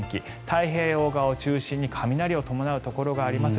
太平洋側を中心に雷を伴うところがあります。